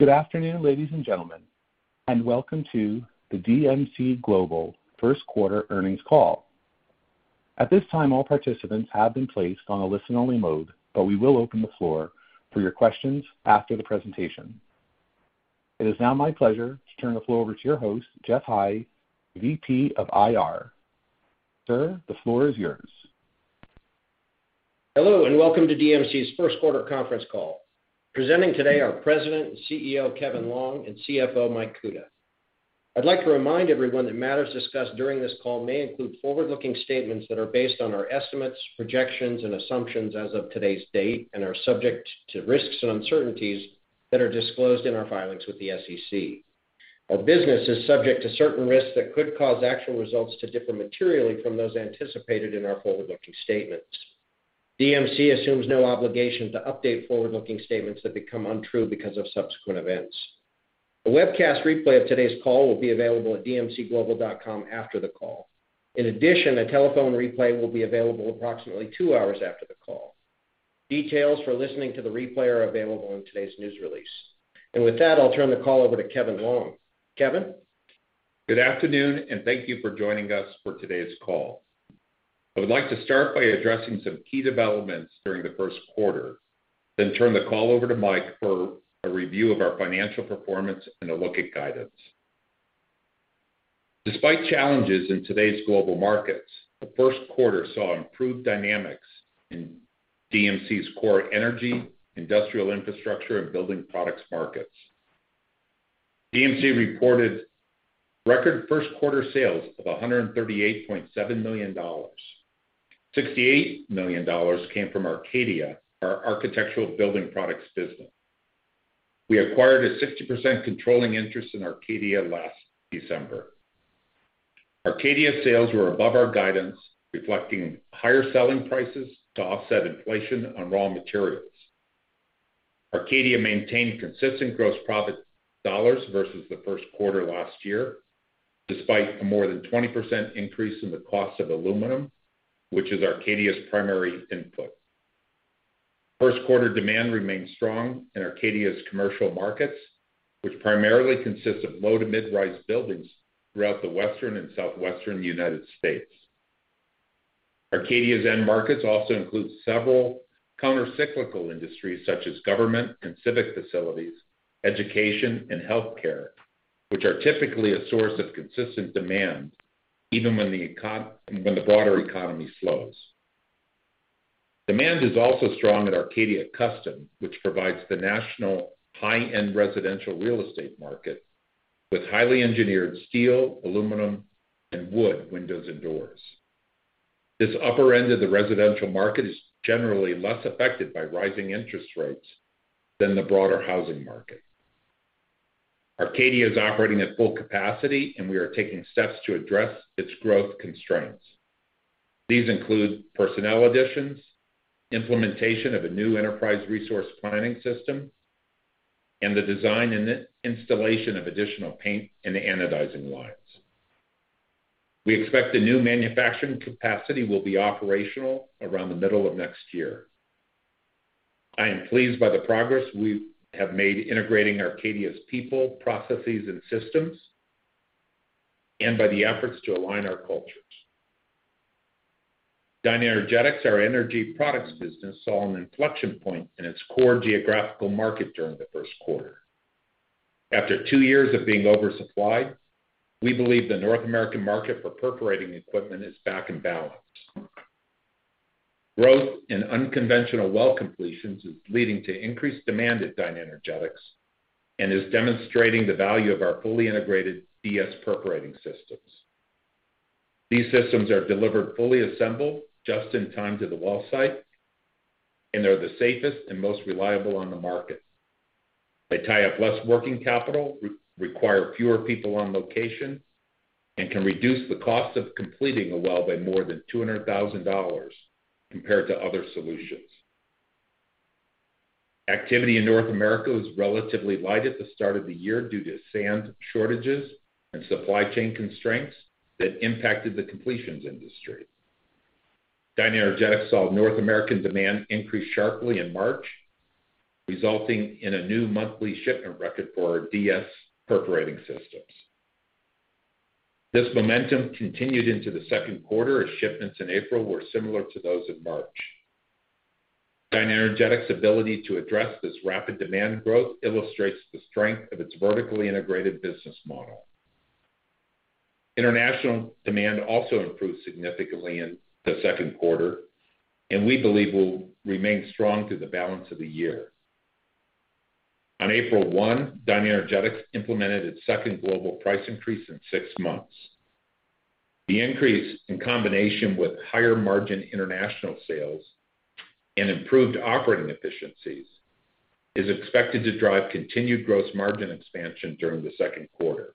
Good afternoon, ladies and gentlemen, and welcome to the DMC Global first quarter earnings call. At this time, all participants have been placed on a listen-only mode, but we will open the floor for your questions after the presentation. It is now my pleasure to turn the floor over to your host, Geoff High, VP of IR. Sir, the floor is yours. Hello, and welcome to DMC's first quarter conference call. Presenting today are President and CEO, Kevin Longe, and CFO, Mike Kuta. I'd like to remind everyone that matters discussed during this call may include forward-looking statements that are based on our estimates, projections, and assumptions as of today's date, and are subject to risks and uncertainties that are disclosed in our filings with the SEC. Our business is subject to certain risks that could cause actual results to differ materially from those anticipated in our forward-looking statements. DMC assumes no obligation to update forward-looking statements that become untrue because of subsequent events. A webcast replay of today's call will be available at dmcglobal.com after the call. In addition, a telephone replay will be available approximately two hours after the call. Details for listening to the replay are available in today's news release. With that, I'll turn the call over to Kevin Longe. Kevin? Good afternoon, and thank you for joining us for today's call. I would like to start by addressing some key developments during the first quarter, then turn the call over to Mike for a review of our financial performance and a look at guidance. Despite challenges in today's global markets, the first quarter saw improved dynamics in DMC's core energy, industrial infrastructure, and building products markets. DMC reported record first quarter sales of $138.7 million. $68 million came from Arcadia, our architectural building products business. We acquired a 60% controlling interest in Arcadia last December. Arcadia sales were above our guidance, reflecting higher selling prices to offset inflation on raw materials. Arcadia maintained consistent gross profit dollars versus the first quarter last year, despite a more than 20% increase in the cost of aluminum, which is Arcadia's primary input. First quarter demand remained strong in Arcadia's commercial markets, which primarily consists of low to mid-rise buildings throughout the Western and Southwestern United States. Arcadia's end markets also includes several counter-cyclical industries, such as government and civic facilities, education and healthcare, which are typically a source of consistent demand even when the broader economy slows. Demand is also strong at Arcadia Custom, which provides the national high-end residential real estate market with highly engineered steel, aluminum, and wood windows and doors. This upper end of the residential market is generally less affected by rising interest rates than the broader housing market. Arcadia is operating at full capacity, and we are taking steps to address its growth constraints. These include personnel additions, implementation of a new enterprise resource planning system, and the design and installation of additional paint and anodizing lines. We expect the new manufacturing capacity will be operational around the middle of next year. I am pleased by the progress we have made integrating Arcadia's people, processes, and systems, and by the efforts to align our cultures. DynaEnergetics, our energy products business, saw an inflection point in its core geographical market during the first quarter. After two years of being oversupplied, we believe the North American market for perforating equipment is back in balance. Growth in unconventional well completions is leading to increased demand at DynaEnergetics and is demonstrating the value of our fully integrated DS perforating systems. These systems are delivered fully assembled, just in time to the well site, and they're the safest and most reliable on the market. They tie up less working capital, require fewer people on location, and can reduce the cost of completing a well by more than $200,000 compared to other solutions. Activity in North America was relatively light at the start of the year due to sand shortages and supply chain constraints that impacted the completions industry. DynaEnergetics saw North American demand increase sharply in March, resulting in a new monthly shipment record for our DS perforating systems. This momentum continued into the second quarter as shipments in April were similar to those in March. DynaEnergetics' ability to address this rapid demand growth illustrates the strength of its vertically integrated business model. International demand also improved significantly in the second quarter, and we believe will remain strong through the balance of the year. On April 1, DynaEnergetics implemented its second global price increase in six months. The increase, in combination with higher margin international sales and improved operating efficiencies, is expected to drive continued gross margin expansion during the second quarter.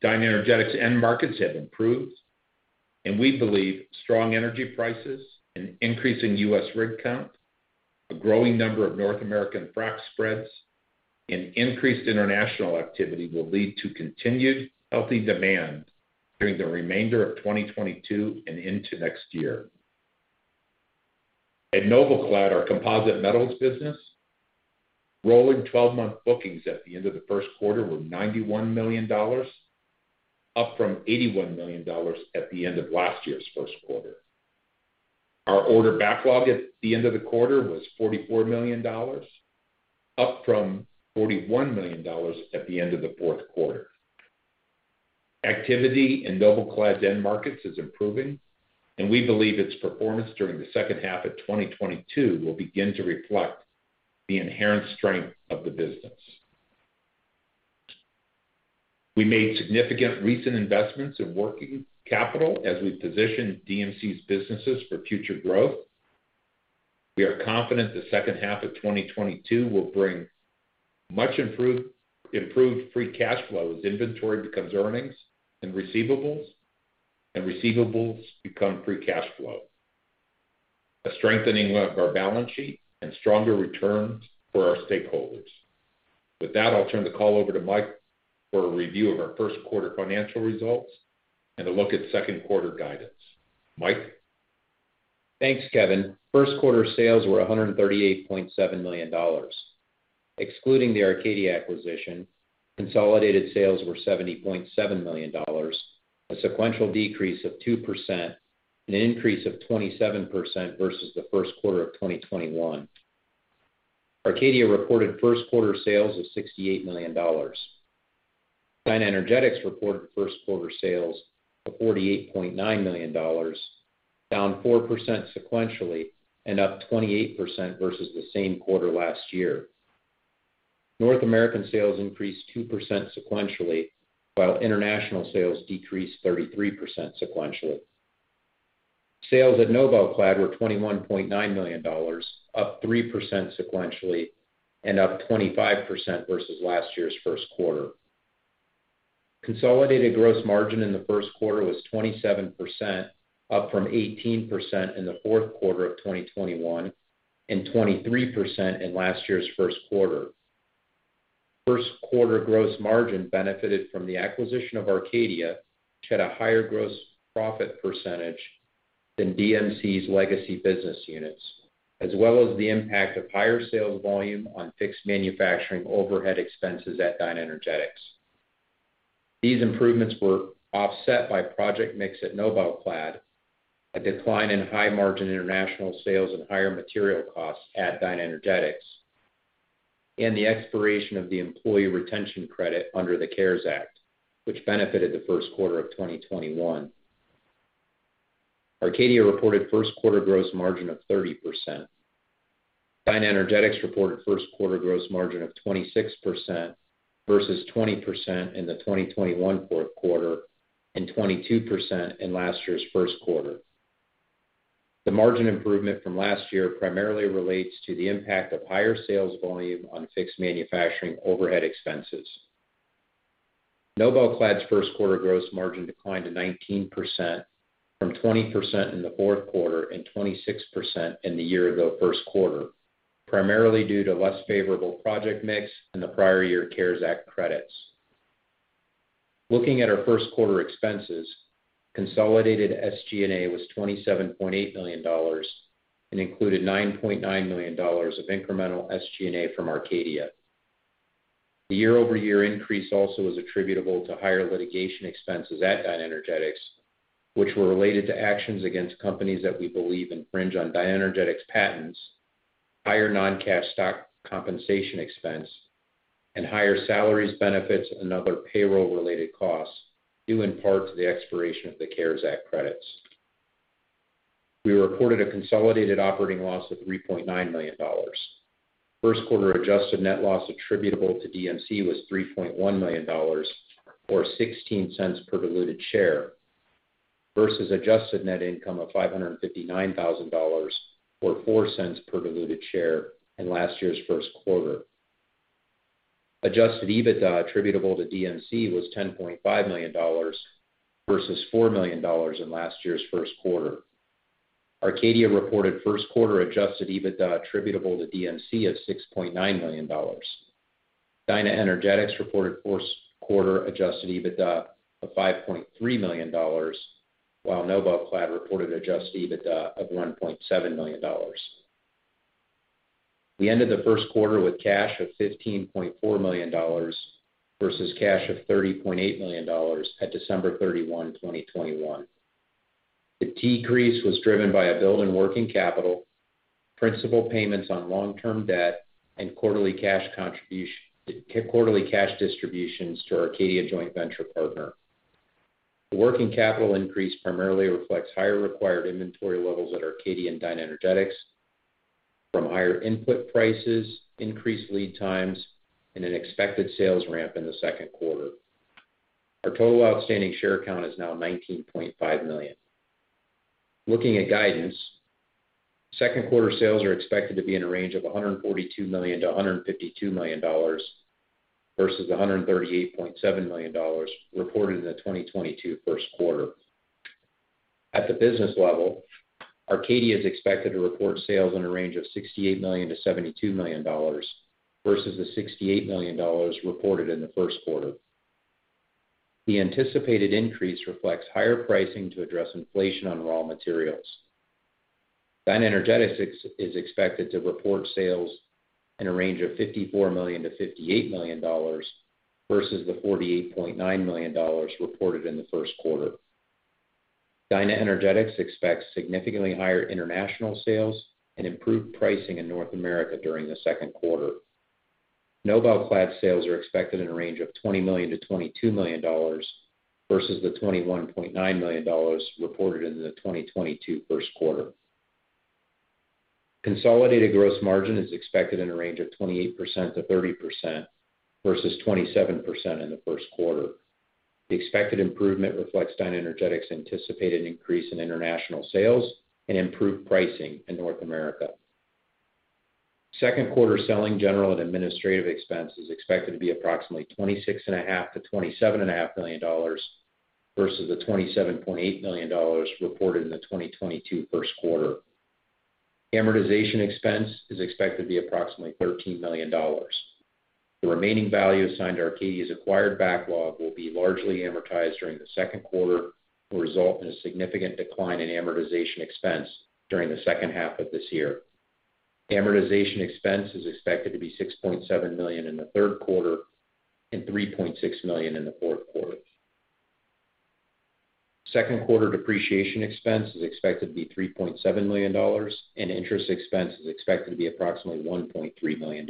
DynaEnergetics end markets have improved, and we believe strong energy prices and increasing U.S. rig count, a growing number of North American frac spreads. An increased international activity will lead to continued healthy demand during the remainder of 2022 and into next year. At NobelClad, our composite metals business, rolling 12-month bookings at the end of the first quarter were $91 million, up from $81 million at the end of last year's first quarter. Our order backlog at the end of the quarter was $44 million, up from $41 million at the end of the fourth quarter. Activity in NobelClad end markets is improving, and we believe its performance during the second half of 2022 will begin to reflect the inherent strength of the business. We made significant recent investments in working capital as we position DMC's businesses for future growth. We are confident the second half of 2022 will bring much improved free cash flows, inventory becomes earnings, and receivables become free cash flow. A strengthening of our balance sheet and stronger returns for our stakeholders. With that, I'll turn the call over to Mike for a review of our first quarter financial results and a look at second quarter guidance. Mike? Thanks, Kevin. First quarter sales were $138.7 million. Excluding the Arcadia acquisition, consolidated sales were $70.7 million, a sequential decrease of 2% and an increase of 27% versus the first quarter of 2021. Arcadia reported first quarter sales of $68 million. DynaEnergetics reported first quarter sales of $48.9 million, down 4% sequentially and up 28% versus the same quarter last year. North American sales increased 2% sequentially, while international sales decreased 33% sequentially. Sales at NobelClad were $21.9 million, up 3% sequentially and up 25% versus last year's first quarter. Consolidated gross margin in the first quarter was 27%, up from 18% in the fourth quarter of 2021 and 23% in last year's first quarter. First quarter gross margin benefited from the acquisition of Arcadia, which had a higher gross profit percentage than DMC's legacy business units, as well as the impact of higher sales volume on fixed manufacturing overhead expenses at DynaEnergetics. These improvements were offset by project mix at NobelClad, a decline in high-margin international sales and higher material costs at DynaEnergetics, and the expiration of the Employee Retention Credit under the CARES Act, which benefited the first quarter of 2021. Arcadia reported first quarter gross margin of 30%. DynaEnergetics reported first quarter gross margin of 26% versus 20% in the 2021 fourth quarter and 22% in last year's first quarter. The margin improvement from last year primarily relates to the impact of higher sales volume on fixed manufacturing overhead expenses. NobelClad's first quarter gross margin declined to 19% from 20% in the fourth quarter and 26% in the year-ago first quarter, primarily due to less favorable project mix and the prior year CARES Act credits. Looking at our first quarter expenses, consolidated SG&A was $27.8 million and included $9.9 million of incremental SG&A from Arcadia. The year-over-year increase also was attributable to higher litigation expenses at DynaEnergetics, which were related to actions against companies that we believe infringe on DynaEnergetics patents, higher non-cash stock compensation expense, and higher salaries, benefits, and other payroll-related costs, due in part to the expiration of the CARES Act credits. We reported a consolidated operating loss of $3.9 million. First quarter adjusted net loss attributable to DMC was $3.1 million, or $0.16 per diluted share, versus adjusted net income of $559,000 or $0.04 per diluted share in last year's first quarter. Adjusted EBITDA attributable to DMC was $10.5 million versus $4 million in last year's first quarter. Arcadia reported first quarter adjusted EBITDA attributable to DMC of $6.9 million. DynaEnergetics reported first quarter adjusted EBITDA of $5.3 million, while NobelClad reported adjusted EBITDA of $1.7 million. We ended the first quarter with cash of $15.4 million versus cash of $30.8 million at December 31, 2021. The decrease was driven by a build in working capital, principal payments on long-term debt, and quarterly cash distributions to our Arcadia joint venture partner. The working capital increase primarily reflects higher required inventory levels at Arcadia and DynaEnergetics from higher input prices, increased lead times, and an expected sales ramp in the second quarter. Our total outstanding share count is now 19.5 million. Looking at guidance, second quarter sales are expected to be in a range of $142 million-$152 million versus $138.7 million reported in the 2022 first quarter. At the business level, Arcadia is expected to report sales in a range of $68 million-$72 million versus the $68 million reported in the first quarter. The anticipated increase reflects higher pricing to address inflation on raw materials. DynaEnergetics is expected to report sales in a range of $54 million-$58 million versus the $48.9 million reported in the first quarter. DynaEnergetics expects significantly higher international sales and improved pricing in North America during the second quarter. NobelClad sales are expected in a range of $20 million-$22 million versus the $21.9 million reported in the 2022 first quarter. Consolidated gross margin is expected in a range of 28%-30% versus 27% in the first quarter. The expected improvement reflects DynaEnergetics anticipated increase in international sales and improved pricing in North America. Second quarter selling, general and administrative expense is expected to be approximately $26.5 million-$27.5 million versus the $27.8 million reported in the 2022 first quarter. Amortization expense is expected to be approximately $13 million. The remaining value assigned to Arcadia's acquired backlog will be largely amortized during the second quarter, will result in a significant decline in amortization expense during the second half of this year. Amortization expense is expected to be $6.7 million in the third quarter and $3.6 million in the fourth quarter. Second quarter depreciation expense is expected to be $3.7 million, and interest expense is expected to be approximately $1.3 million.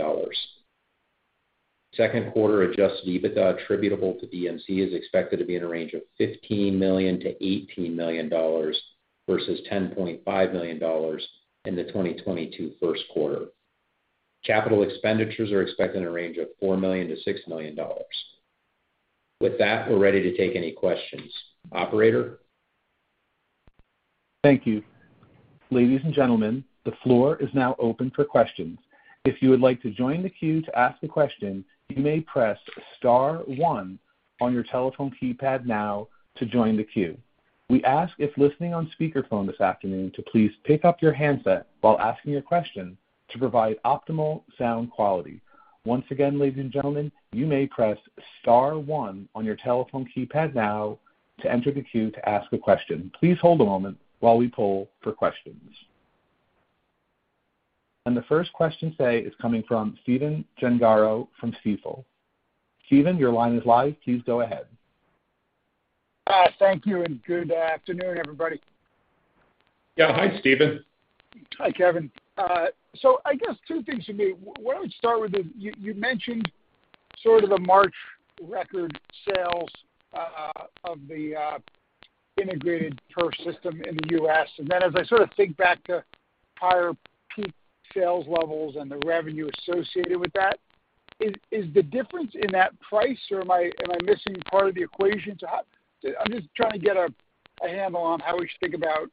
Second quarter adjusted EBITDA attributable to DMC is expected to be in a range of $15 million-$18 million versus $10.5 million in the 2022 first quarter. Capital expenditures are expected in a range of $4 million-$6 million. With that, we're ready to take any questions. Operator? Thank you. Ladies and gentlemen, the floor is now open for questions. If you would like to join the queue to ask a question, you may press star one on your telephone keypad now to join the queue. We ask if listening on speakerphone this afternoon to please pick up your handset while asking a question to provide optimal sound quality. Once again, ladies and gentlemen, you may press star one on your telephone keypad now to enter the queue to ask a question. Please hold a moment while we poll for questions. The first question today is coming from Stephen Gengaro from Stifel. Stephen, your line is live. Please go ahead. Thank you, and good afternoon, everybody. Yeah. Hi, Stephen. Hi, Kevin. So I guess two things for me. Why don't we start with you mentioned sort of the March record sales of the integrated perf system in the U.S. As I sort of think back to higher peak sales levels and the revenue associated with that, is the difference in that price, or am I missing part of the equation to how I'm just trying to get a handle on how we should think about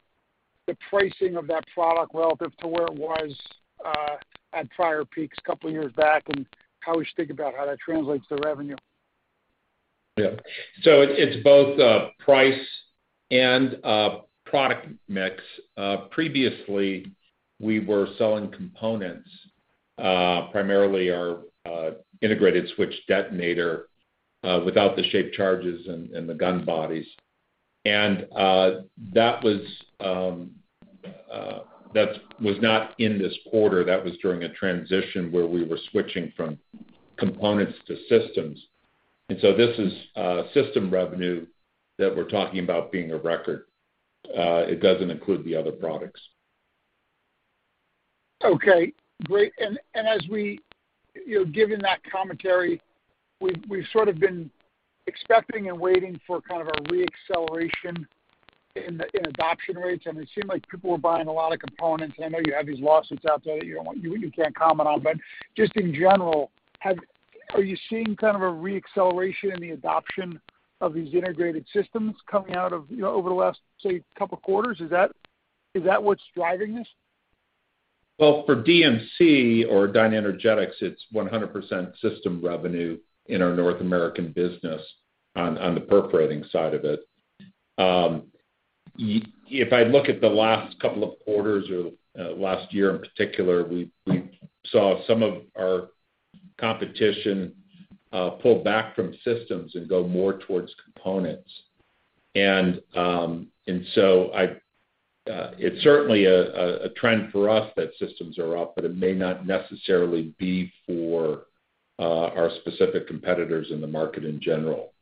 the pricing of that product relative to where it was at prior peaks a couple years back and how we should think about how that translates to revenue. Yeah. It's both price and product mix. Previously, we were selling components, primarily our integrated switch detonator, without the shaped charges and the gun bodies. That was not in this quarter. That was during a transition where we were switching from components to systems. This is system revenue that we're talking about being a record. It doesn't include the other products. Okay, great. As we, you know, given that commentary, we've sort of been expecting and waiting for kind of a re-acceleration in adoption rates, and it seemed like people were buying a lot of components. I know you have these lawsuits out there that you don't want, you can't comment on. Just in general, are you seeing kind of a re-acceleration in the adoption of these integrated systems coming out of, you know, over the last, say, couple quarters? Is that what's driving this? Well, for DMC or DynaEnergetics, it's 100% system revenue in our North American business on the perforating side of it. If I look at the last couple of quarters or last year in particular, we saw some of our competition pull back from systems and go more towards components. It's certainly a trend for us that systems are up, but it may not necessarily be for our specific competitors in the market in general.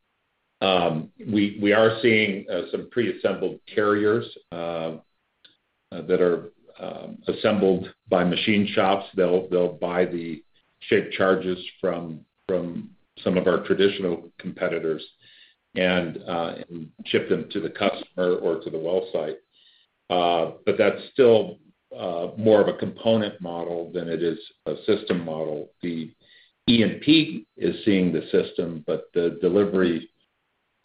We are seeing some pre-assembled carriers that are assembled by machine shops. They'll buy the shaped charges from some of our traditional competitors and ship them to the customer or to the well site. That's still more of a component model than it is a system model. The E&P is seeing the system, but the delivery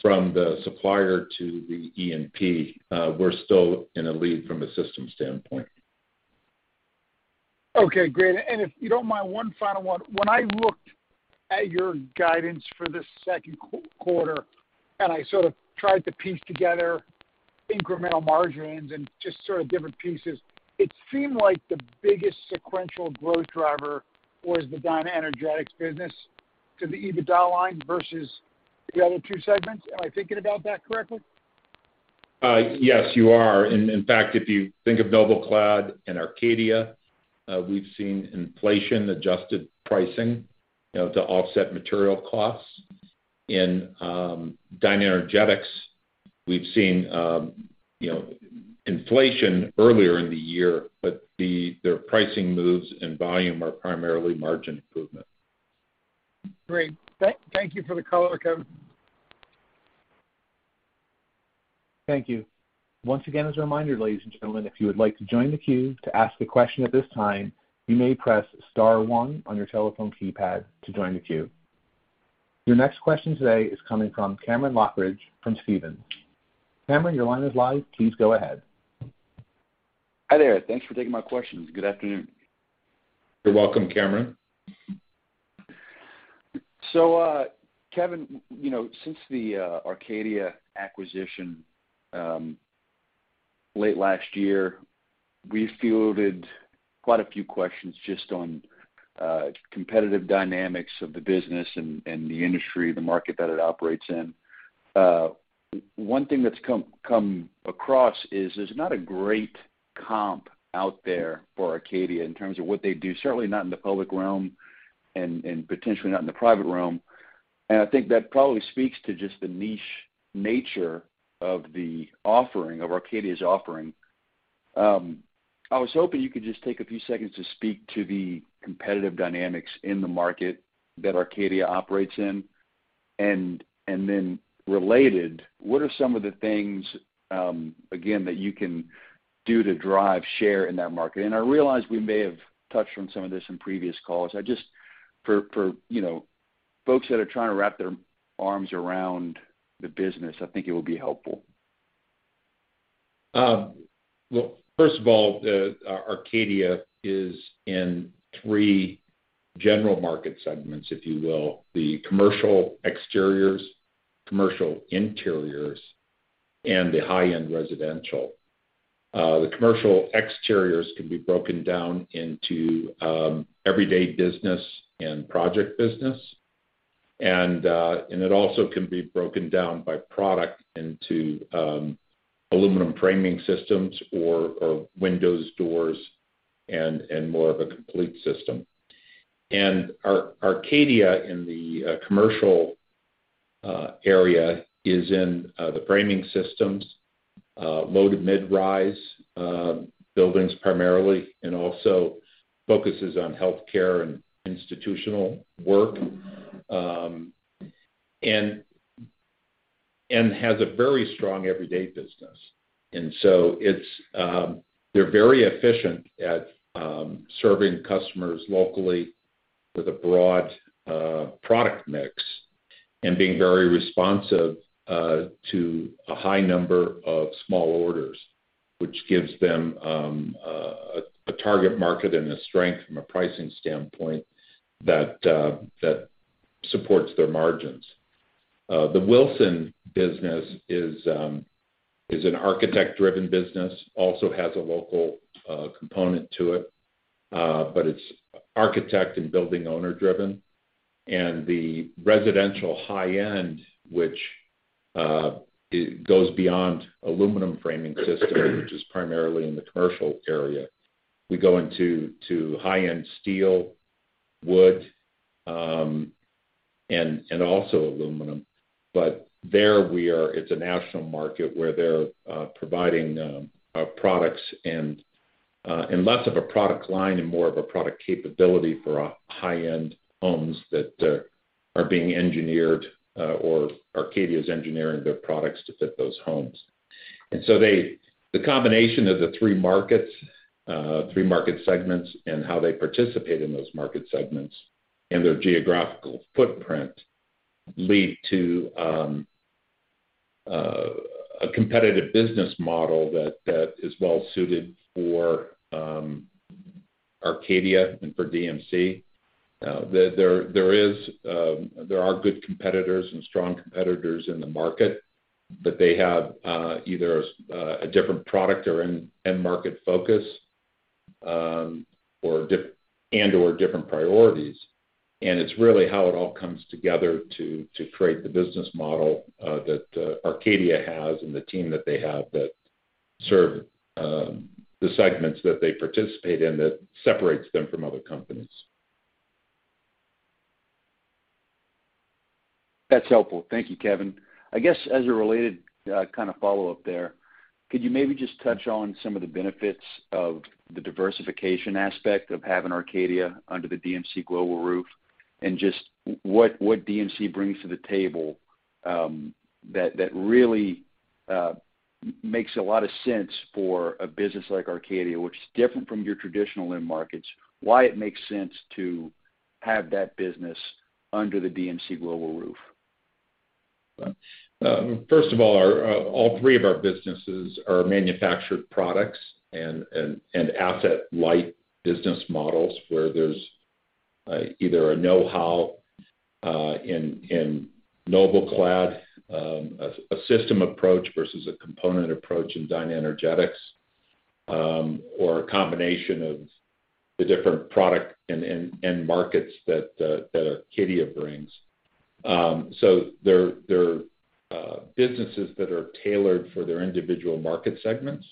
from the supplier to the E&P, we're still in the lead from a system standpoint. Okay, great. If you don't mind one final one. When I looked at your guidance for the second quarter, and I sort of tried to piece together incremental margins and just sort of different pieces, it seemed like the biggest sequential growth driver was the DynaEnergetics business to the EBITDA line versus the other two segments. Am I thinking about that correctly? Yes, you are. In fact, if you think of NobelClad and Arcadia, we've seen inflation-adjusted pricing, you know, to offset material costs. In DynaEnergetics, we've seen, you know, inflation earlier in the year, but their pricing moves and volume are primarily margin improvement. Great. Thank you for the color, Kevin. Thank you. Once again, as a reminder, ladies and gentlemen, if you would like to join the queue to ask a question at this time, you may press star one on your telephone keypad to join the queue. Your next question today is coming from Cameron Lochridge from Stephens. Cameron, your line is live. Please go ahead. Hi there. Thanks for taking my questions. Good afternoon. You're welcome, Cameron. Kevin, you know, since the Arcadia acquisition late last year, we fielded quite a few questions just on competitive dynamics of the business and the industry, the market that it operates in. One thing that's come across is there's not a great comp out there for Arcadia in terms of what they do, certainly not in the public realm and potentially not in the private realm. I think that probably speaks to just the niche nature of the offering, of Arcadia's offering. I was hoping you could just take a few seconds to speak to the competitive dynamics in the market that Arcadia operates in. Then related, what are some of the things, again, that you can do to drive share in that market? I realize we may have touched on some of this in previous calls. I just, for you know, folks that are trying to wrap their arms around the business, I think it will be helpful. Well, first of all, Arcadia is in three general market segments, if you will. The commercial exteriors, commercial interiors, and the high-end residential. The commercial exteriors can be broken down into everyday business and project business. It also can be broken down by product into aluminum framing systems or windows, doors, and more of a complete system. Arcadia in the commercial area is in the framing systems low to mid-rise buildings primarily, and also focuses on healthcare and institutional work, and has a very strong everyday business. They're very efficient at serving customers locally with a broad product mix and being very responsive to a high number of small orders, which gives them a target market and a strength from a pricing standpoint that supports their margins. The Wilson business is an architect-driven business, also has a local component to it, but it's architect and building owner-driven. The residential high-end, which it goes beyond aluminum framing system, which is primarily in the commercial area. We go into high-end steel, wood, and also aluminum. There we are. It's a national market where they're providing products and less of a product line and more of a product capability for high-end homes that are being engineered or Arcadia is engineering their products to fit those homes. The combination of the three market segments and how they participate in those market segments and their geographical footprint lead to a competitive business model that is well suited for Arcadia and for DMC. There are good competitors and strong competitors in the market, but they have either a different product or end market focus or and/or different priorities. It's really how it all comes together to create the business model that Arcadia has and the team that they have that serve the segments that they participate in that separates them from other companies. That's helpful. Thank you, Kevin. I guess as a related kind of follow-up there, could you maybe just touch on some of the benefits of the diversification aspect of having Arcadia under the DMC Global roof and just what DMC brings to the table, that really makes a lot of sense for a business like Arcadia, which is different from your traditional end markets, why it makes sense to have that business under the DMC Global roof? First of all, our all three of our businesses are manufactured products and asset-light business models where there's either a know-how in NobelClad, a system approach versus a component approach in DynaEnergetics, or a combination of the different product and end markets that Arcadia brings. They're businesses that are tailored for their individual market segments.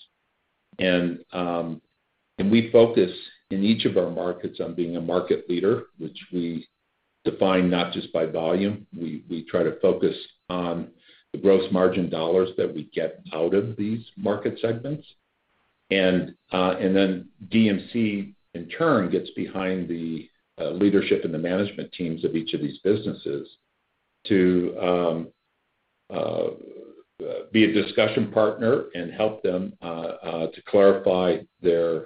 We focus in each of our markets on being a market leader, which we define not just by volume. We try to focus on the gross margin dollars that we get out of these market segments. DMC, in turn, gets behind the leadership and the management teams of each of these businesses to be a discussion partner and help them to clarify their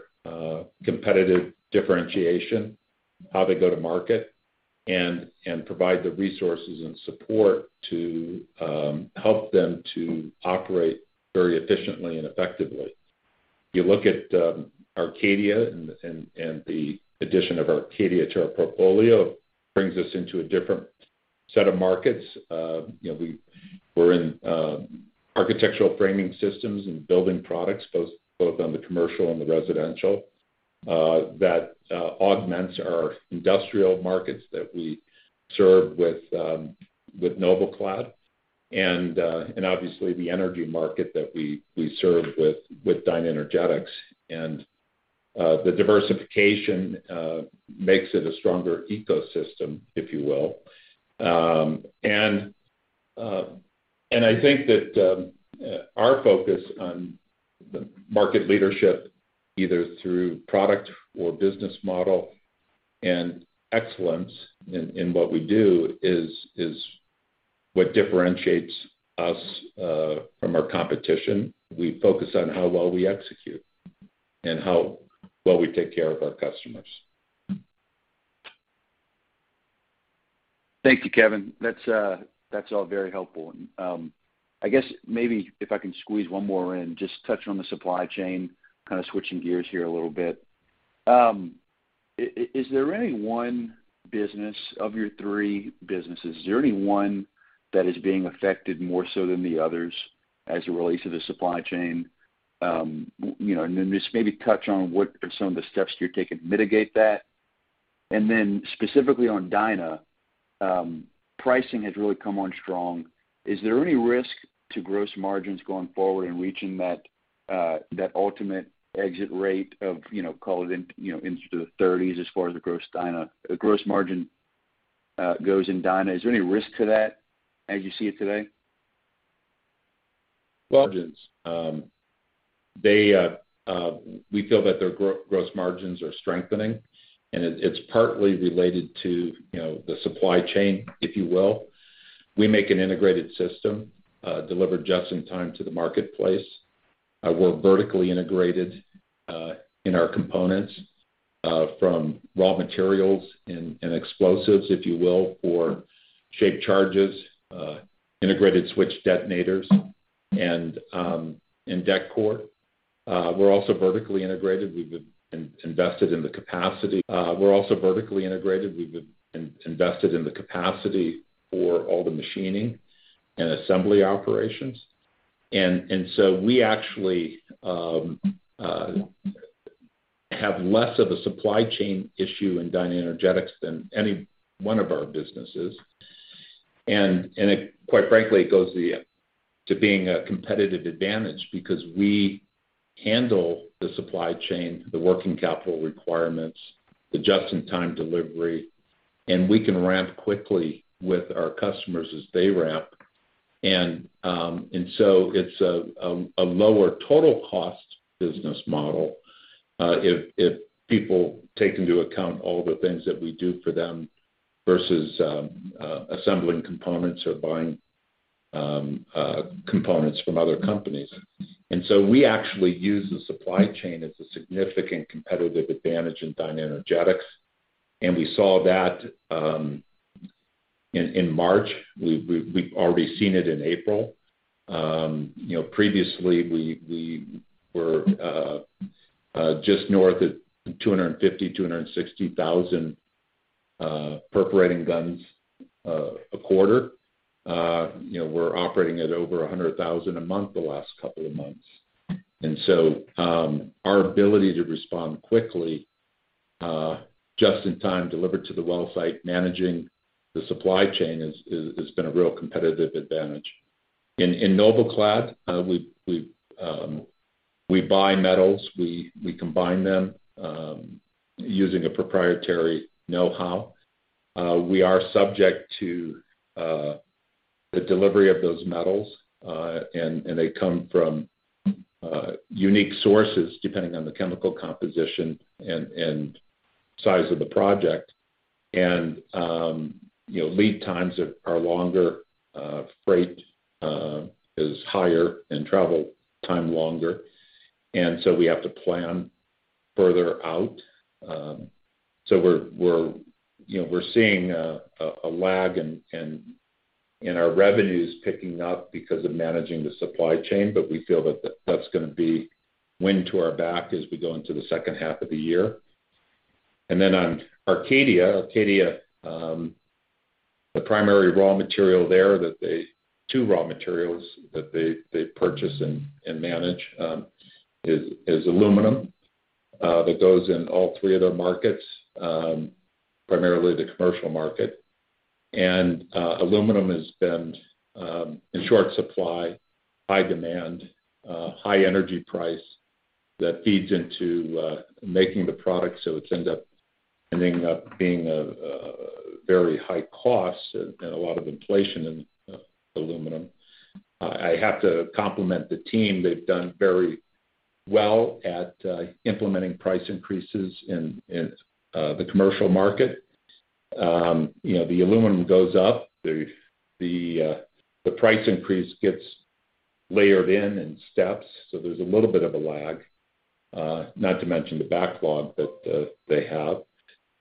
competitive differentiation, how they go to market, and provide the resources and support to help them to operate very efficiently and effectively. You look at Arcadia and the addition of Arcadia to our portfolio brings us into a different set of markets. You know, we're in architectural framing systems and building products, both on the commercial and the residential that augments our industrial markets that we serve with NobelClad and obviously, the energy market that we serve with DynaEnergetics. The diversification makes it a stronger ecosystem, if you will. I think that our focus on the market leadership, either through product or business model and excellence in what we do is what differentiates us from our competition. We focus on how well we execute and how well we take care of our customers. Thank you, Kevin. That's all very helpful. I guess maybe if I can squeeze one more in, just touch on the supply chain, kinda switching gears here a little bit. Is there any one business of your three businesses that is being affected more so than the others as it relates to the supply chain? You know, and then just maybe touch on what are some of the steps you're taking to mitigate that. And then specifically on Dyna, pricing has really come on strong. Is there any risk to gross margins going forward in reaching that ultimate exit rate of, you know, call it into the thirties as far as the gross margin goes in Dyna? Is there any risk to that as you see it today? Margins. We feel that their gross margins are strengthening, and it's partly related to, you know, the supply chain, if you will. We make an integrated system, delivered just in time to the marketplace. We're vertically integrated in our components from raw materials and explosives, if you will, for shaped charges, integrated switch detonators, and in Det-Cord. We're also vertically integrated. We've been invested in the capacity for all the machining and assembly operations. We actually have less of a supply chain issue in DynaEnergetics than any one of our businesses. It quite frankly goes to being a competitive advantage because we handle the supply chain, the working capital requirements, the just-in-time delivery, and we can ramp quickly with our customers as they ramp. It's a lower total cost business model if people take into account all the things that we do for them versus assembling components or buying components from other companies. We actually use the supply chain as a significant competitive advantage in DynaEnergetics, and we saw that in March. We've already seen it in April. You know, previously we were just north of 250,000-260,000 perforating guns a quarter. You know, we're operating at over 100,000 a month the last couple of months. Our ability to respond quickly, just in time delivered to the well site, managing the supply chain has been a real competitive advantage. In NobelClad, we buy metals. We combine them using a proprietary know-how. We are subject to the delivery of those metals, and they come from unique sources depending on the chemical composition and size of the project. You know, lead times are longer, freight is higher, and travel time longer. We have to plan further out. We're, you know, seeing a lag in our revenues picking up because of managing the supply chain, but we feel that that's gonna be wind at our back as we go into the second half of the year. Then on Arcadia, two raw materials that they purchase and manage is aluminum that goes in all three of their markets, primarily the commercial market. Aluminum has been in short supply, high demand, high energy price that feeds into making the product, so it ends up being a very high cost and a lot of inflation in aluminum. I have to compliment the team. They've done very well at implementing price increases in the commercial market. You know, the aluminum goes up, the price increase gets layered in steps, so there's a little bit of a lag, not to mention the backlog that they have.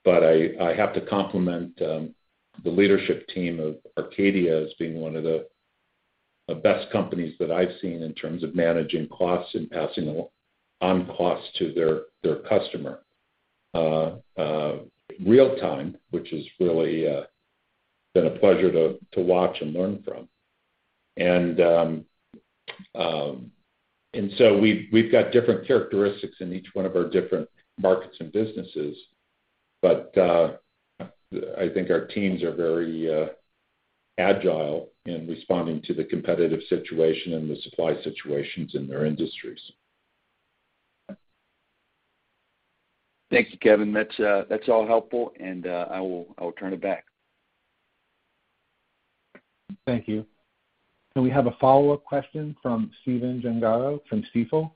I have to compliment the leadership team of Arcadia as being one of the best companies that I've seen in terms of managing costs and passing on costs to their customer real time, which has really been a pleasure to watch and learn from. We've got different characteristics in each one of our different markets and businesses. I think our teams are very agile in responding to the competitive situation and the supply situations in their industries. Thank you, Kevin. That's all helpful, and I will turn it back. Thank you. We have a follow question from Stephen Gengaro from Stifel.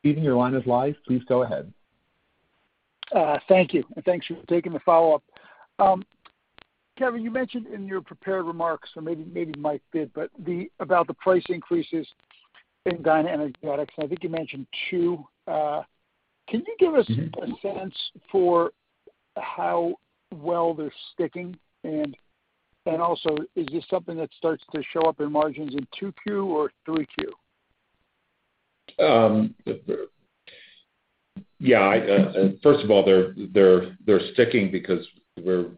Stephen, your line is live. Please go ahead. Thank you. Thanks for taking the follow-up. Kevin, you mentioned in your prepared remarks, or maybe Mike did, but about the price increases in DynaEnergetics, and I think you mentioned two. Can you give us a sense for how well they're sticking? And also, is this something that starts to show up in margins in 2Q or 3Q? Yeah, I first of all, they're sticking because we're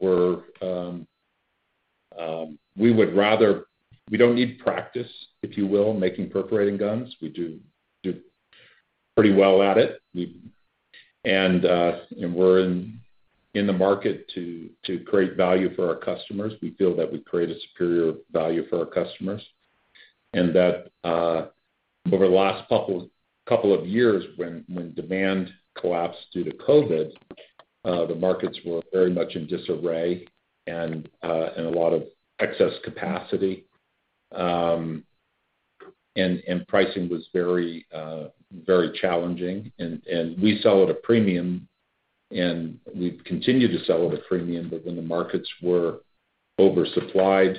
we would rather. We don't need practice, if you will, making perforating guns. We do pretty well at it. We're in the market to create value for our customers. We feel that we create a superior value for our customers. That over the last couple of years when demand collapsed due to COVID, the markets were very much in disarray and a lot of excess capacity. Pricing was very challenging. We sell at a premium, and we've continued to sell at a premium. When the markets were oversupplied,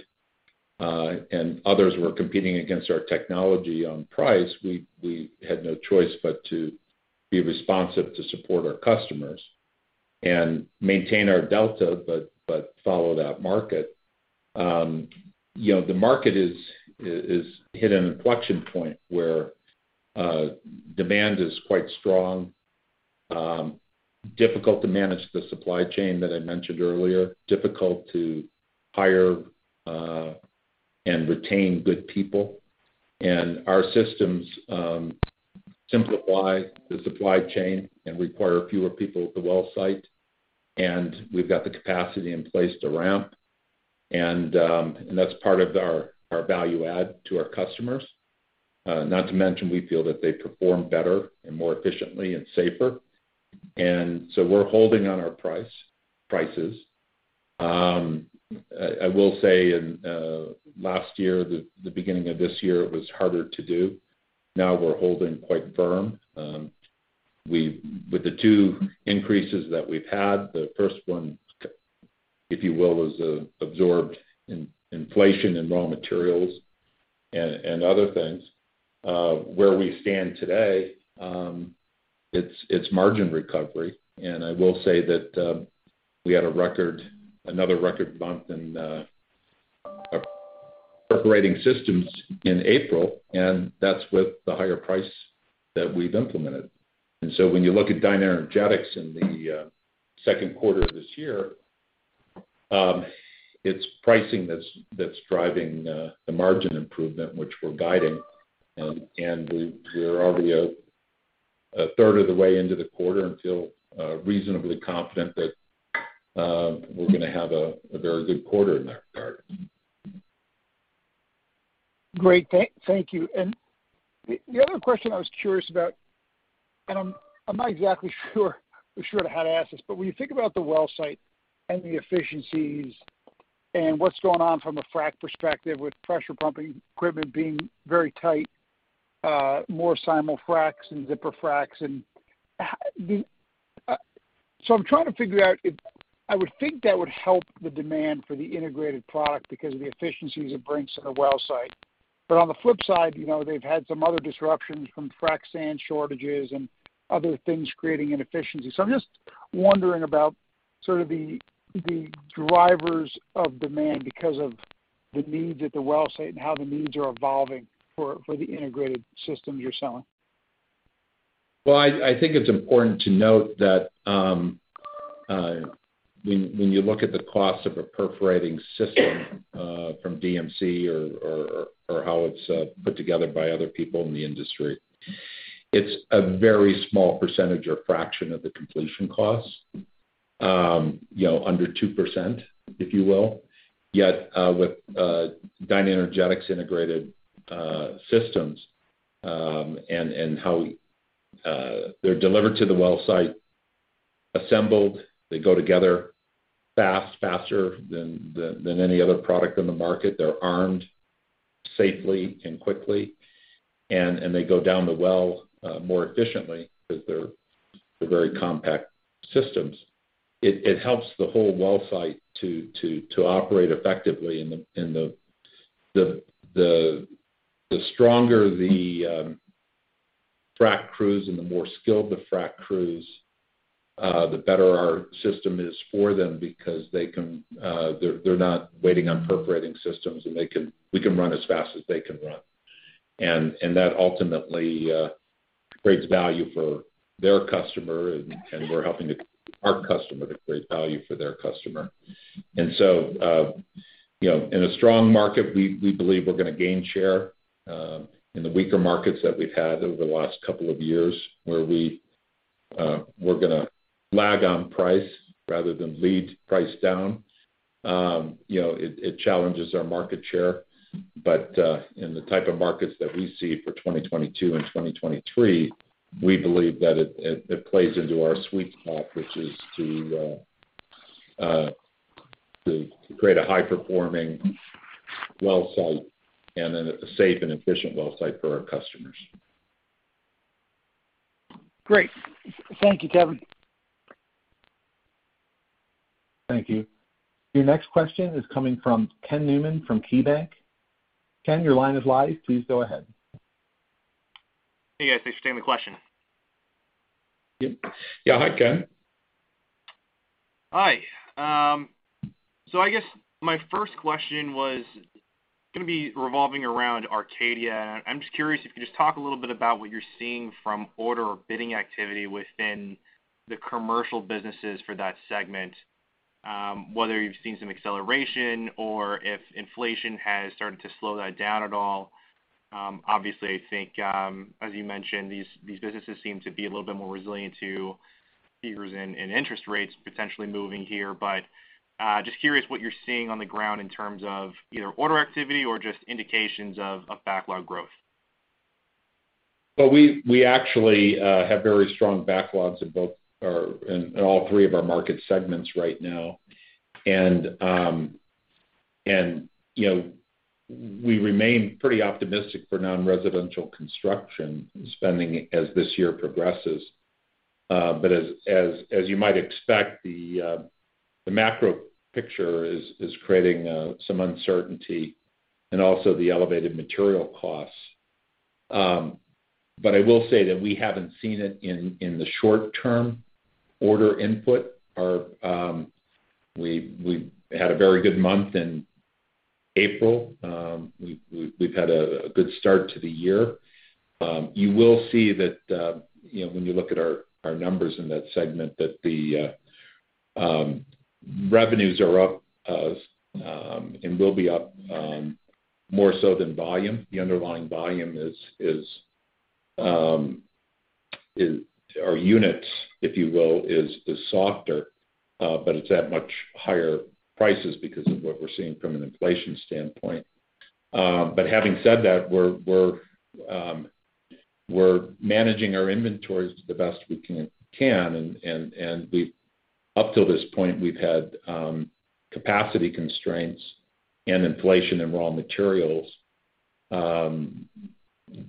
and others were competing against our technology on price, we had no choice but to be responsive to support our customers and maintain our delta, but follow that market. You know, the market is hit an inflection point where demand is quite strong, difficult to manage the supply chain that I mentioned earlier, difficult to hire, and retain good people. Our systems simplify the supply chain and require fewer people at the well site, and we've got the capacity in place to ramp. That's part of our value add to our customers. Not to mention we feel that they perform better and more efficiently and safer. We're holding on our price, prices. I will say in last year, the beginning of this year, it was harder to do. Now we're holding quite firm. With the two increases that we've had, the first one, if you will, was absorbed in inflation and raw materials and other things. Where we stand today, it's margin recovery. I will say that we had a record, another record month in our perforating systems in April, and that's with the higher price that we've implemented. When you look at DynaEnergetics in the second quarter of this year, it's pricing that's driving the margin improvement, which we're guiding. We're already a third of the way into the quarter and feel reasonably confident that we're gonna have a very good quarter in that regard. Great. Thank you. The other question I was curious about, and I'm not exactly sure how to ask this, but when you think about the well site and the efficiencies and what's going on from a frac perspective with pressure pumping equipment being very tight, more simul-fracs and zipper fracs, I'm trying to figure out if I would think that would help the demand for the integrated product because of the efficiencies it brings to the well site. On the flip side, you know, they've had some other disruptions from frac sand shortages and other things creating inefficiencies. I'm just wondering about sort of the drivers of demand because of the needs at the well site and how the needs are evolving for the integrated systems you're selling. I think it's important to note that when you look at the cost of a perforating system from DMC or how it's put together by other people in the industry, it's a very small percentage or fraction of the completion cost, you know, under 2%, if you will. Yet, with DynaEnergetics integrated systems and how they're delivered to the well site, assembled, they go together faster than any other product on the market. They're armed safely and quickly, and they go down the well more efficiently 'cause they're very compact systems. It helps the whole well site to operate effectively. The stronger the frac crews and the more skilled the frac crews, the better our system is for them because they can, they're not waiting on perforating systems, and we can run as fast as they can run. That ultimately creates value for their customer and we're helping to our customer to create value for their customer. You know, in a strong market, we believe we're gonna gain share. In the weaker markets that we've had over the last couple of years where we're gonna lag on price rather than lead price down, you know, it challenges our market share. In the type of markets that we see for 2022 and 2023, we believe that it plays into our sweet spot, which is to create a high performing well site and then a safe and efficient well site for our customers. Great. Thank you, Kevin. Thank you. Your next question is coming from Ken Newman from KeyBanc Capital Markets. Ken, your line is live. Please go ahead. Hey, guys. Thanks for taking the question. Yeah. Hi, Ken. Hi. I guess my first question was gonna be revolving around Arcadia. I'm just curious if you could just talk a little bit about what you're seeing from order or bidding activity within the commercial businesses for that segment, whether you've seen some acceleration or if inflation has started to slow that down at all. Obviously, I think, as you mentioned, these businesses seem to be a little bit more resilient to figures in interest rates potentially moving here. Just curious what you're seeing on the ground in terms of either order activity or just indications of backlog growth. We actually have very strong backlogs in both or in all three of our market segments right now. You know, we remain pretty optimistic for non-residential construction spending as this year progresses. But as you might expect, the macro picture is creating some uncertainty and also the elevated material costs. But I will say that we haven't seen it in the short term order input. We had a very good month in April. We've had a good start to the year. You know, when you look at our numbers in that segment that the revenues are up, and will be up more so than volume. The underlying volume or units, if you will, is softer, but it's at much higher prices because of what we're seeing from an inflation standpoint. Having said that, we're managing our inventories the best we can. Up till this point, we've had capacity constraints and inflation in raw materials.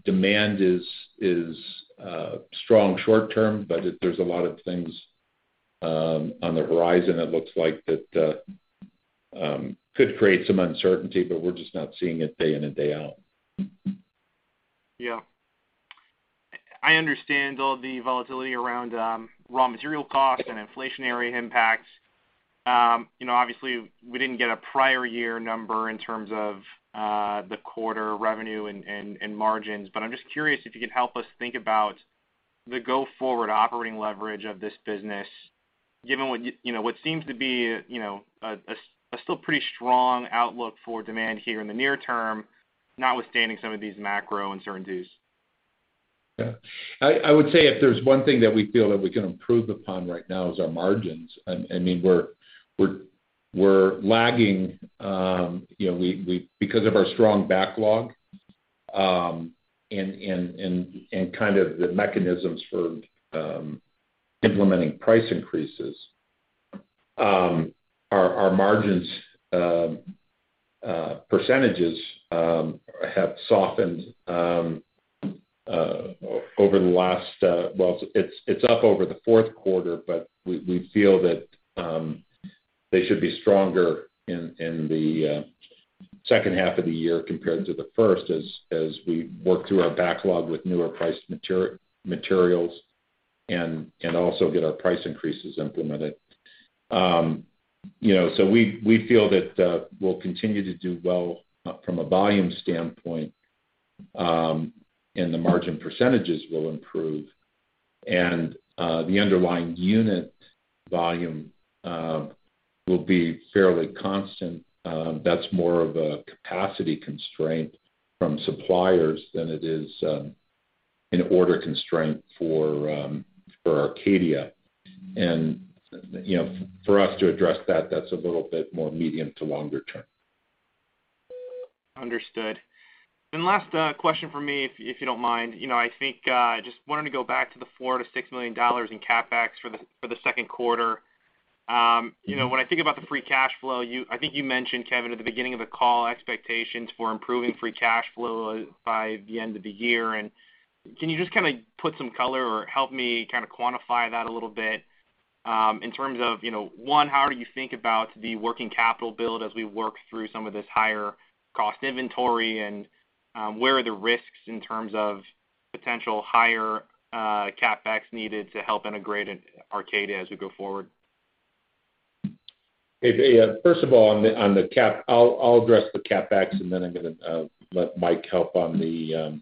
Demand is strong short term, but there's a lot of things on the horizon it looks like that could create some uncertainty, but we're just not seeing it day in and day out. Yeah. I understand all the volatility around raw material costs and inflationary impacts. You know, obviously we didn't get a prior year number in terms of the quarter revenue and margins, but I'm just curious if you could help us think about the go forward operating leverage of this business given what you know, what seems to be a still pretty strong outlook for demand here in the near term, notwithstanding some of these macro uncertainties. Yeah. I would say if there's one thing that we feel that we can improve upon right now is our margins. I mean, we're lagging, you know, because of our strong backlog, and kind of the mechanisms for implementing price increases. Our margin percentages have softened over the last. Well, it's up over the fourth quarter, but we feel that they should be stronger in the second half of the year compared to the first as we work through our backlog with newer priced materials and also get our price increases implemented. You know, we feel that we'll continue to do well from a volume standpoint, and the margin percentages will improve. The underlying unit volume will be fairly constant. That's more of a capacity constraint from suppliers than it is an order constraint for Arcadia. You know, for us to address that's a little bit more medium to longer term. Understood. Last question for me, if you don't mind. You know, I think I just wanted to go back to the $4 million-$6 million in CapEx for the second quarter. You know, when I think about the free cash flow, I think you mentioned, Kevin, at the beginning of the call, expectations for improving free cash flow by the end of the year. Can you just kind of put some color or help me kind of quantify that a little bit, in terms of, you know, one, how do you think about the working capital build as we work through some of this higher cost inventory? Where are the risks in terms of potential higher CapEx needed to help integrate Arcadia as we go forward? Hey, first of all, on the CapEx, and then I'm gonna let Mike help on the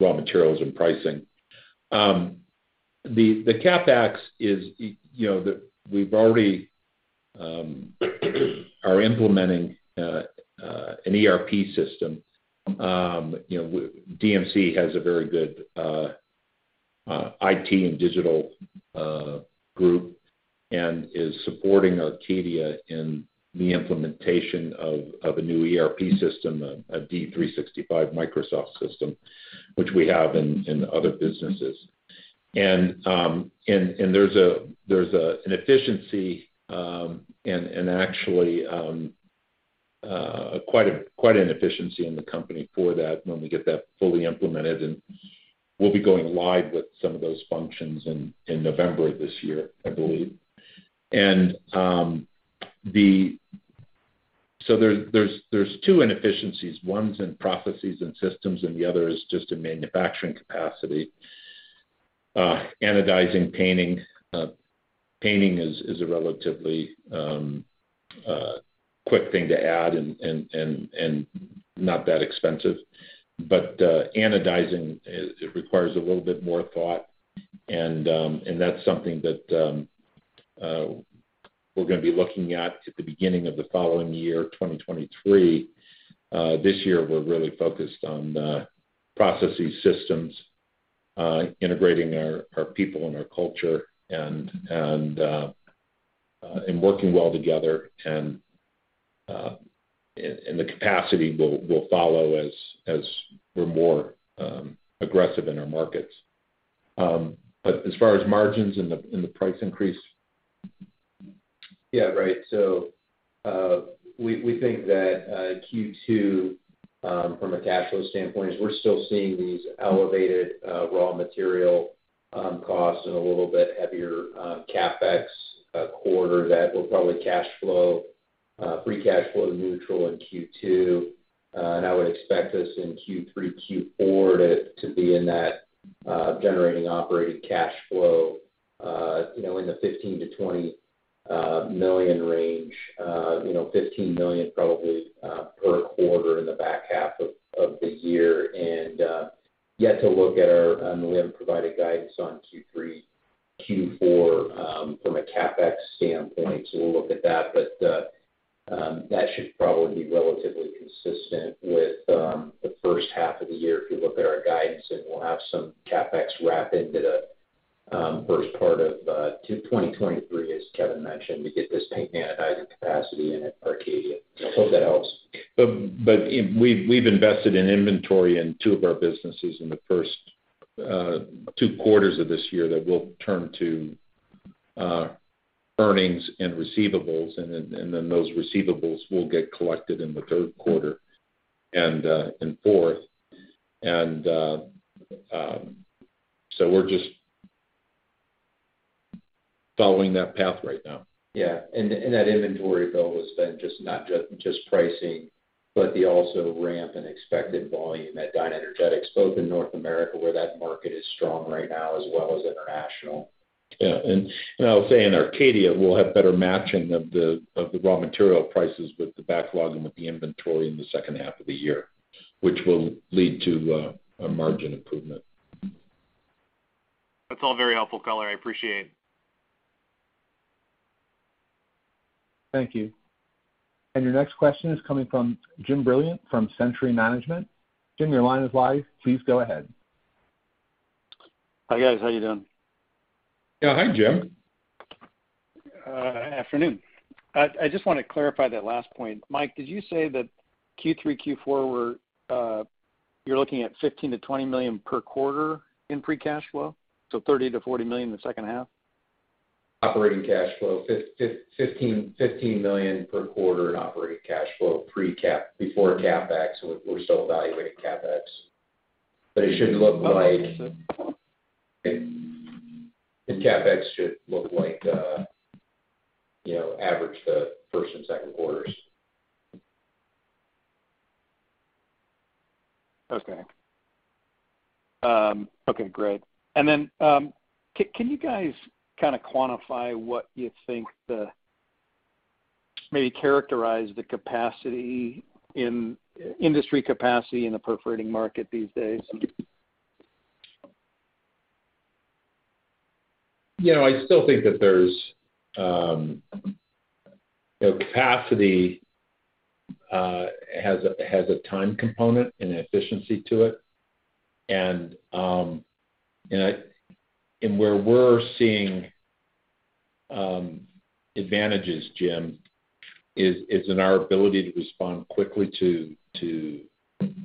raw materials and pricing. The CapEx is, you know, we are already implementing an ERP system. You know, DMC has a very good IT and digital group, and is supporting Arcadia in the implementation of a new ERP system, a Dynamics 365 Microsoft system, which we have in other businesses. There's an efficiency, and actually quite an efficiency in the company for that when we get that fully implemented. We'll be going live with some of those functions in November of this year, I believe. There's two inefficiencies. One's in processes and systems, and the other is just in manufacturing capacity. Anodizing, painting. Painting is a relatively quick thing to add and not that expensive. Anodizing, it requires a little bit more thought. That's something that we're gonna be looking at at the beginning of the following year, 2023. This year, we're really focused on the processes, systems, integrating our people and our culture and working well together. The capacity will follow as we're more aggressive in our markets. As far as margins and the price increase. Yeah. Right. We think that Q2 from a cash flow standpoint is we're still seeing these elevated raw material costs and a little bit heavier CapEx quarter that will probably cash flow free cash flow neutral in Q2. I would expect us in Q3, Q4 to be in that generating operating cash flow you know in the $15 million-$20 million range. You know, $15 million probably per quarter in the back half of the year. We haven't provided guidance on Q3, Q4 from a CapEx standpoint, so we'll look at that. That should probably be relatively consistent with the first half of the year if you look at our guidance, and we'll have some CapEx wrap into the first part of 2023, as Kevin mentioned, to get this paint and anodizing capacity in at Arcadia. I hope that helps. We've invested in inventory in two of our businesses in the first two quarters of this year that will turn to earnings and receivables, and then those receivables will get collected in the third quarter and fourth. We're just following that path right now. That inventory build was then just not pricing, but also the ramp in expected volume at DynaEnergetics, both in North America where that market is strong right now, as well as international. I'll say in Arcadia, we'll have better matching of the raw material prices with the backlog and with the inventory in the second half of the year, which will lead to a margin improvement. That's all very helpful color. I appreciate. Thank you. Your next question is coming from Jim Brilliant from Century Management. Jim, your line is live. Please go ahead. Hi, guys. How you doing? Hi, Jim. Afternoon. I just wanna clarify that last point. Mike, did you say that Q3, Q4 you're looking at $15 million-$20 million per quarter in free cash flow? $30 million-$40 million in the second half? Operating cash flow, $15 million per quarter in operating cash flow pre-CapEx, before CapEx. We're still evaluating CapEx. The CapEx should look like, you know, average the first and second quarters. Okay. Okay, great. Can you guys kind of quantify what you think maybe characterize the capacity in, industry capacity in the perforating market these days? You know, I still think that there's capacity has a time component and efficiency to it. Where we're seeing advantages, Jim, is in our ability to respond quickly to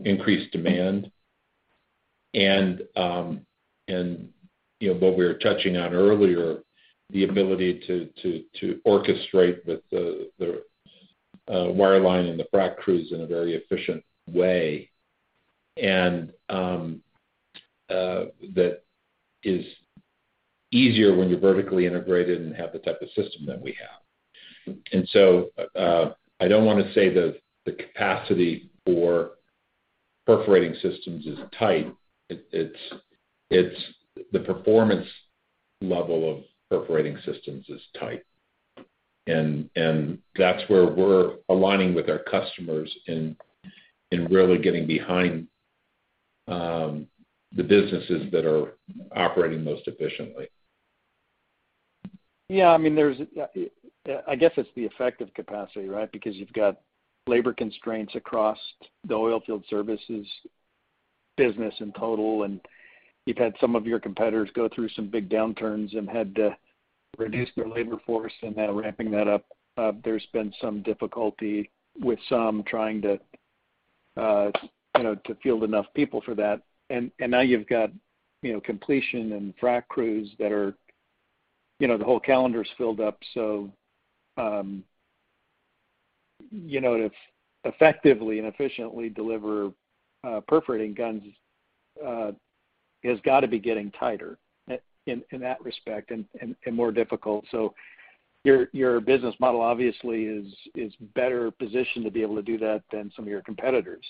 increase demand. You know, what we were touching on earlier, the ability to orchestrate with the wireline and the frac crews in a very efficient way. That is easier when you're vertically integrated and have the type of system that we have. I don't wanna say the capacity for perforating systems is tight. It's the performance level of perforating systems is tight. That's where we're aligning with our customers in really getting behind the businesses that are operating most efficiently. Yeah, I mean, there's, I guess it's the effect of capacity, right? Because you've got labor constraints across the oil field services business in total, and you've had some of your competitors go through some big downturns and had to reduce their labor force and now ramping that up. There's been some difficulty with some trying to, you know, to field enough people for that. Now you've got, you know, completion and frac crews that are, you know, the whole calendar's filled up. You know, to effectively and efficiently deliver perforating guns has gotta be getting tighter in that respect and more difficult. Your business model obviously is better positioned to be able to do that than some of your competitors.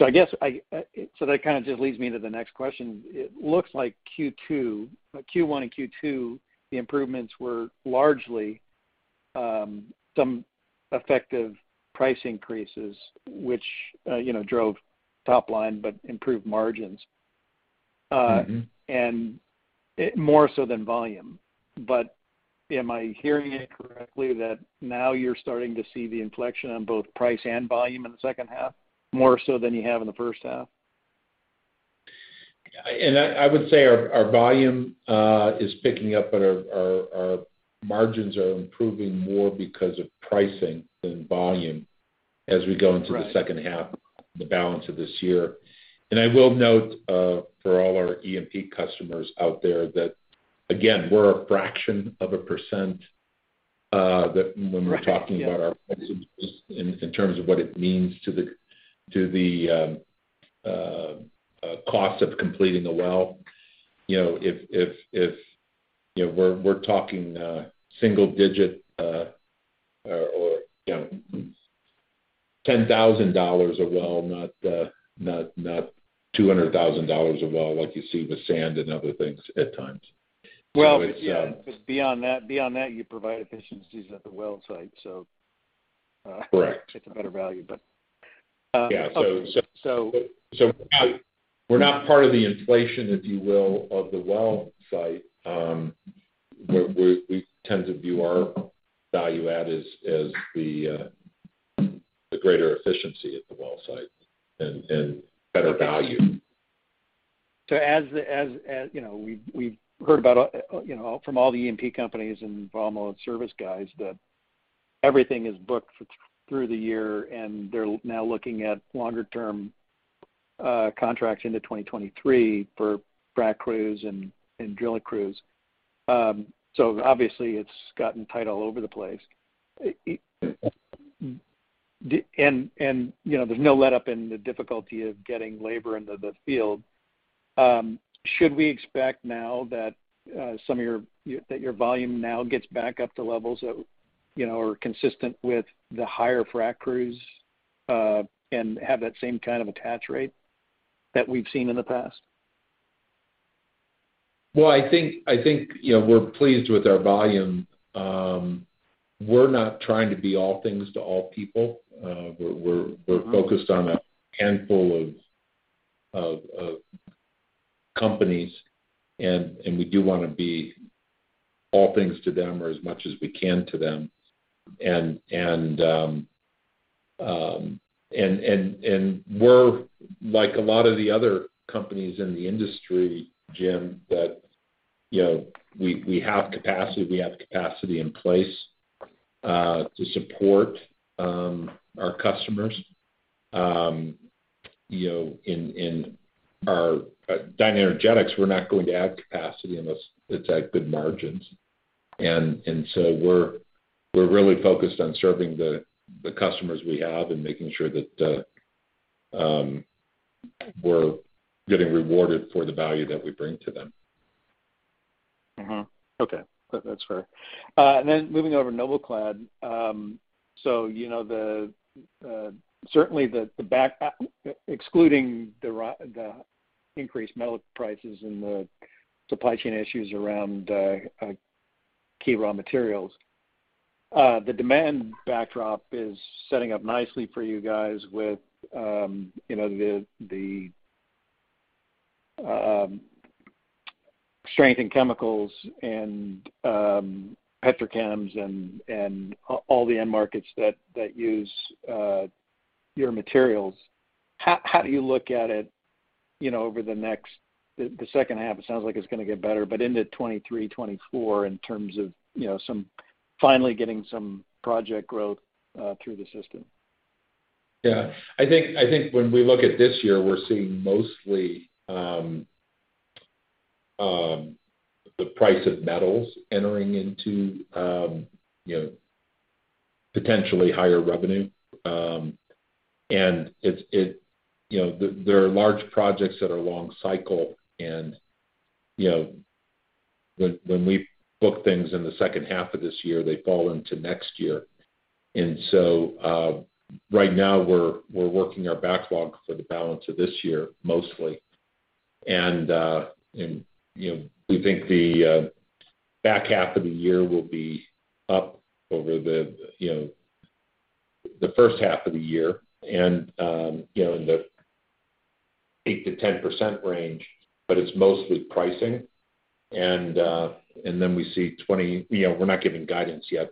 I guess that kind of just leads me to the next question. It looks like Q1 and Q2, the improvements were largely some effective price increases, which you know, drove top line, but improved margins. Mm-hmm. It more so than volume. Am I hearing it correctly that now you're starting to see the inflection on both price and volume in the second half, more so than you have in the first half? I would say our volume is picking up, but our margins are improving more because of pricing than volume as we go into Right... the second half, the balance of this year. I will note, for all our E&P customers out there that again, we're a fraction of a percent, that when we're- Right, yeah. Talking about our prices in terms of what it means to the cost of completing a well. You know, if you know, we're talking single digit or, you know, $10,000 a well, not $200,000 a well like you see with sand and other things at times. It's Well, yeah, 'cause beyond that, you provide efficiencies at the well site. Correct. It's a better value, but okay. We're not part of the inflation, if you will, of the well site. We tend to view our value add as the greater efficiency at the well site and better value. You know, we've heard about, you know, from all the E&P companies and from all the service guys that everything is booked through the year, and they're now looking at longer term contracts into 2023 for frac crews and drilling crews. Obviously it's gotten tight all over the place. You know, there's no letup in the difficulty of getting labor into the field. Should we expect now that your volume now gets back up to levels that, you know, are consistent with the higher frac crews, and have that same kind of attach rate that we've seen in the past? Well, I think, you know, we're pleased with our volume. We're not trying to be all things to all people. We're Mm-hmm Focused on a handful of companies and we do wanna be all things to them, or as much as we can to them. We're like a lot of the other companies in the industry, Jim, that you know we have capacity in place to support our customers. You know, at DynaEnergetics, we're not going to add capacity unless it's at good margins. We're really focused on serving the customers we have and making sure that we're getting rewarded for the value that we bring to them. Okay. That's fair. Moving over to NobelClad. So you know, certainly the backdrop excluding the increased metal prices and the supply chain issues around key raw materials, the demand backdrop is setting up nicely for you guys with, you know, the strength in chemicals and petrochems and all the end markets that use your materials. How do you look at it, you know, over the next. The second half, it sounds like it's gonna get better, but into 2023, 2024 in terms of, you know, finally getting some project growth through the system? Yeah. I think when we look at this year, we're seeing mostly the price of metals entering into you know potentially higher revenue. It's it. You know there are large projects that are long cycle and you know when we book things in the second half of this year, they fall into next year. Right now we're working our backlog for the balance of this year mostly. You know we think the back half of the year will be up over the you know the first half of the year and you know in the 8%-10% range, but it's mostly pricing. Then we see 20. You know, we're not giving guidance yet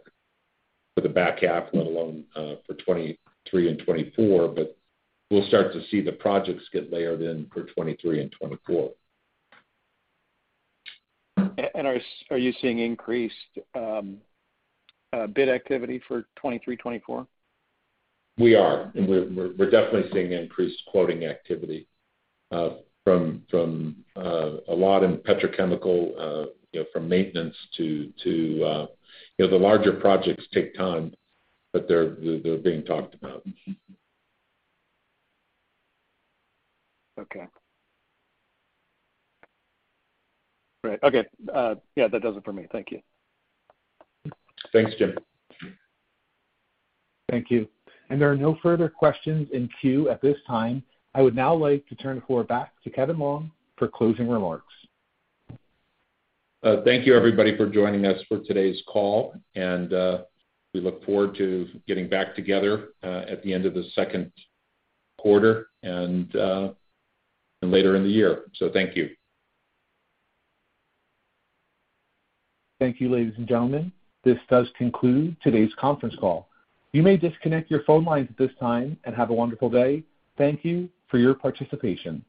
for the back half, let alone, for 2023 and 2024, but we'll start to see the projects get layered in for 2023 and 2024. Are you seeing increased bid activity for 2023, 2024? We are. We're definitely seeing increased quoting activity from a lot in petrochemical, you know, from maintenance to, you know, the larger projects take time, but they're being talked about. Okay. Great. Okay. Yeah, that does it for me. Thank you. Thanks, Jim. Thank you. There are no further questions in queue at this time. I would now like to turn the floor back to Kevin Longe for closing remarks. Thank you, everybody for joining us for today's call, and we look forward to getting back together at the end of the second quarter and later in the year. Thank you. Thank you, ladies and gentlemen. This does conclude today's conference call. You may disconnect your phone lines at this time, and have a wonderful day. Thank you for your participation.